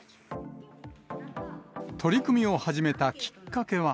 取り組みを始めたきっかけは、